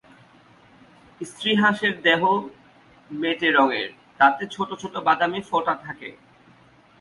স্ত্রী হাঁসের দেহ মেটে রঙের, তাতে ছোট ছোট বাদামী ফোঁটা থাকে।